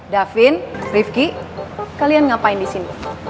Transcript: da vin rifki kalian ngapain di sini